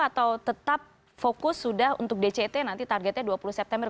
atau tetap fokus sudah untuk dct nanti targetnya dua puluh september